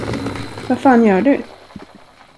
Vad fan gör du?